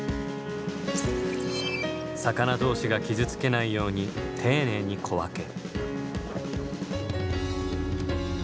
魚同士が傷つけないように丁寧に小分け。